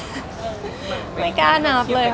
ไม่รู้อะไม่กล้านับเลยพี่